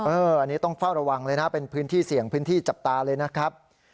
อันนี้ต้องเฝ้าระวังเลยนะเป็นพื้นที่เสี่ยงพื้นที่จับตาเลยนะครับ